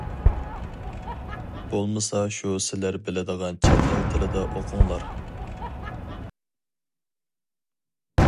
بولمىسا شۇ سىلەر بىلىدىغان چەت ئەل تىلىدا ئوقۇڭلار.